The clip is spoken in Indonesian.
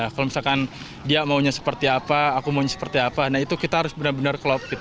kalau misalkan dia maunya seperti apa aku maunya seperti apa nah itu kita harus benar benar klop gitu